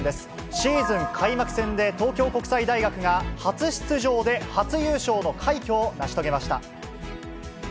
シーズン開幕戦で東京国際大学が初出場で初優勝の快挙を成し遂げました。